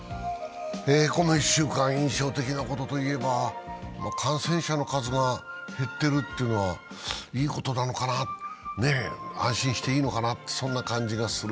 この１週間、印象的なことといえば感染者の数が減っているというのはいいことなのかな、安心していいのかな、そんな感じがする。